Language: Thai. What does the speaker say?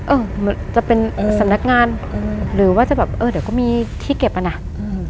เออจะเป็นสำนักงานอืมหรือว่าจะแบบเออเดี๋ยวก็มีที่เก็บอ่ะน่ะอืม